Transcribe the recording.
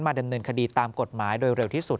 ดำเนินคดีตามกฎหมายโดยเร็วที่สุด